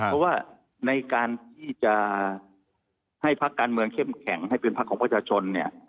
เพราะว่าในการที่จะให้พักการเมืองเข้มแข็งให้เป็นพักของประชาชนเนี่ย